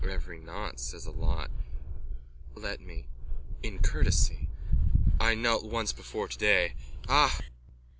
Every knot says a lot. Let me. In courtesy. I knelt once before today. Ah!